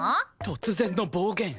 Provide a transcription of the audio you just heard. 突然の暴言。